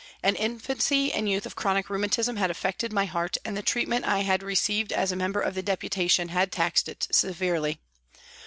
An infancy and youth of chronic rheumatism had affected my heart, and the treatment I had received as member of the Deputation had taxed it severely.